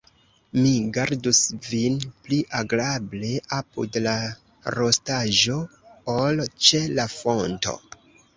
Mi gardus vin pli agrable apud la rostaĵo, ol ĉe la fonto.